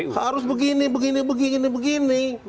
protes harus begini begini begini begini